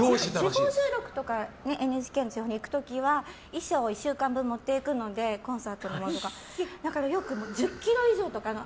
地方収録とかに行く時は衣装を１週間分、持っていくのでコンサートのものとか。よく１０ｋｇ以上とかの。